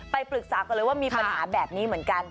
ไปปรึกษาก่อนเลยว่ามีปัญหาแบบนี้เหมือนกัน